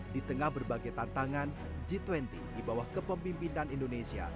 di tengah berbagai tantangan g dua puluh di bawah kepemimpinan indonesia